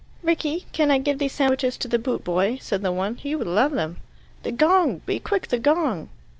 "Rickie, can I give these sandwiches to the boot boy?" said the one. "He would love them." "The gong! Be quick! The gong!"